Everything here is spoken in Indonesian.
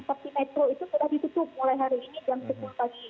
seperti metro itu sudah ditutup mulai hari ini jam sepuluh pagi